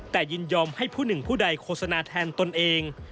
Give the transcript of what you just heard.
แต่ยินยอมให้ผู้หนึ่งผู้ใดโฆษณาแทนตนเอง